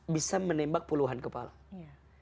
bisa menembak puluhan orang yang beriman kepada allah